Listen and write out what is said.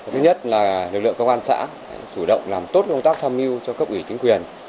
thứ nhất là lực lượng công an xã chủ động làm tốt công tác tham mưu cho cấp ủy chính quyền